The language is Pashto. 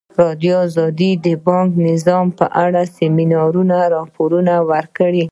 ازادي راډیو د بانکي نظام په اړه د سیمینارونو راپورونه ورکړي.